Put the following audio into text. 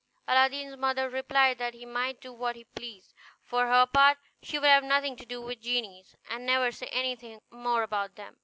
Aladdin's mother replied that he might do what he pleased; for her part she would have nothing to do with genies, and never say anything more about them.